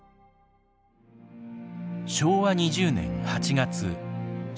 昭和２０年８月終戦。